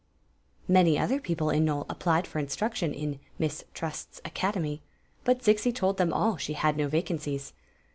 Many other people in Nole a{^lied for instruction in " Miss Trust's Academy, but Zixi told them all she had no vacancies.